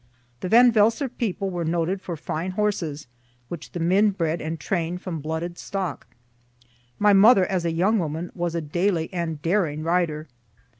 The Van Velsor people were noted for fine horses, which the men bred and train'd from blooded stock. My mother, as a young woman, was a daily and daring rider.